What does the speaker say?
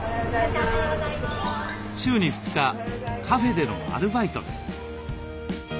週に２日カフェでのアルバイトです。